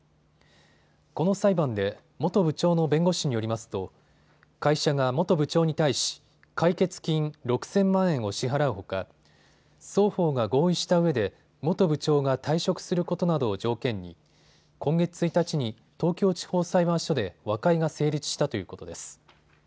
この裁判で元部長の弁護士によりますと会社が元部長に対し解決金６０００万円を支払うほか、双方が合意したうえで元部長が退職することなどを条件に今月１日に東京地方裁判所で和解が成立したということです。